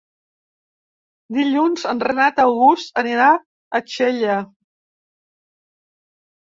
Dilluns en Renat August anirà a Xella.